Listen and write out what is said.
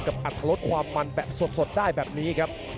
อัตรลดความมันแบบสดได้แบบนี้ครับ